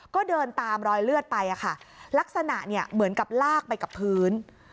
ก็เดินตามรอยเลือดไปอะค่ะลักษณะเนี่ยเหมือนกับลากไปกับพื้น